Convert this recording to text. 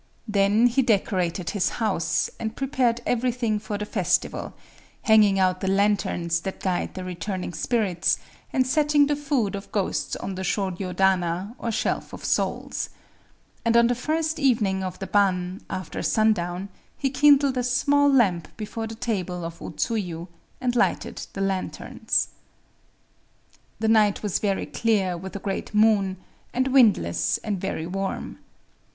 Then he decorated his house, and prepared everything for the festival;—hanging out the lanterns that guide the returning spirits, and setting the food of ghosts on the shōryōdana, or Shelf of Souls. And on the first evening of the Bon, after sun down, he kindled a small lamp before the tablet of O Tsuyu, and lighted the lanterns. The night was clear, with a great moon,—and windless, and very warm.